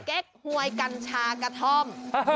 เก๊กหวยกัญชากระท่อม